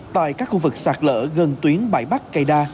tại các khu vực sạt lở gần tuyến bãi bắc cây đa